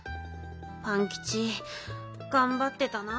パンキチがんばってたな。